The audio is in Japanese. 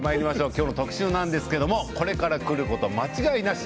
今日の特集はこれからくること間違いなし。